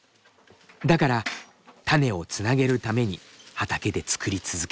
だから種をつなげるために畑で作り続ける。